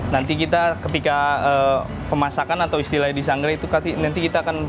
nanti kita ketika pemasakan atau istilahnya di sanggar itu nanti kita akan